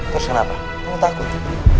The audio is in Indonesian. terus kenapa kamu takut